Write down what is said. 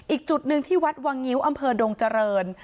อีกจุดหนึ่งที่วัดวังงิ้วอำเภอดงเจริญ